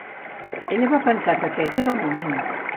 Ella va pensar que aquest era el moment.